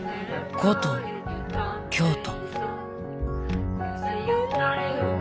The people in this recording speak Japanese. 古都京都。